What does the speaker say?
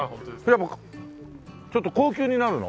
やっぱちょっと高級になるの？